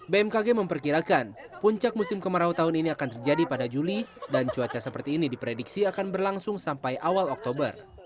bmkg memperkirakan puncak musim kemarau tahun ini akan terjadi pada juli dan cuaca seperti ini diprediksi akan berlangsung sampai awal oktober